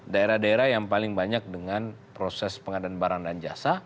daerah daerah yang paling banyak dengan proses pengadaan barang dan jasa